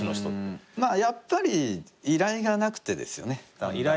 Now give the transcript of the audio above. まあやっぱり依頼がなくてですね。